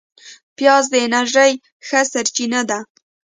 پیاز د انرژۍ ښه سرچینه ده